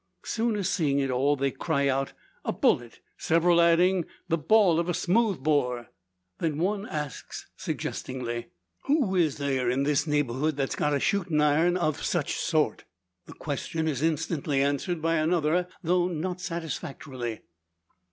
Soon as seeing it they all cry out, "A bullet!" several adding, "The ball of a smooth bore." Then one asks, suggestingly: "Who is there in this neighbourhood that's got a shooting iron of such sort?" The question is instantly answered by another, though not satisfactorily.